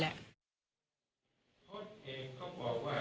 ชอบขาวเขียวอย่างเนี่ยดอกไม้ทรงนี้คือกับแกชอบเรียบ